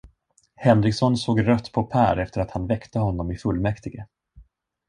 Henriksson såg rött på Pär efter att han väckte honom i fullmäktige.